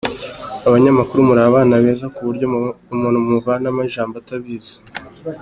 Abanyamakuru muri abana beza muzi kubaza ku buryo umuntu mumuvanamo ijambo atabizi.